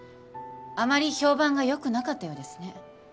あまり評判が良くなかったようですね。